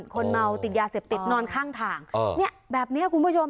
คนเมาติดยาเสพติดนอนข้างทางเนี่ยแบบนี้คุณผู้ชม